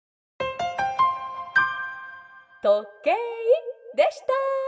「とけいでした！」。